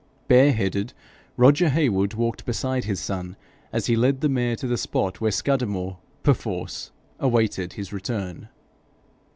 Bare headed, Roger Heywood walked beside his son as he led the mare to the spot where Scudamore perforce awaited his return.